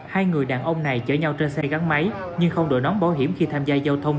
hai người đàn ông này chở nhau trên xe gắn máy nhưng không đổi nón bảo hiểm khi tham gia giao thông